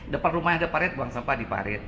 depan rumahnya diparet buang sampah diparet